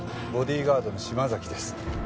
ボディーガードの島崎です。